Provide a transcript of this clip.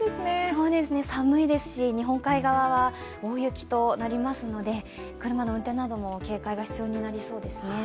寒いですし、日本海側は大雪となりますので車の運転なども警戒が必要になりますね。